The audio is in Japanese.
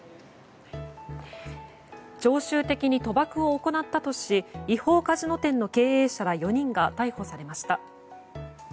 常習的に賭博を行ったとし違法カジノ店の経営者ら４人が逮捕されました。